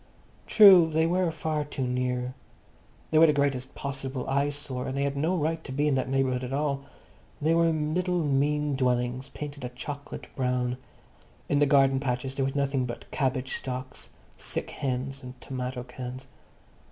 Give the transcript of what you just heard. True, they were far too near. They were the greatest possible eyesore, and they had no right to be in that neighbourhood at all. They were little mean dwellings painted a chocolate brown. In the garden patches there was nothing but cabbage stalks, sick hens and tomato cans.